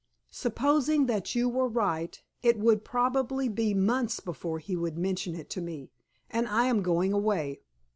Supposing that you were right, it would probably be months before he would mention it to me, and I am going away."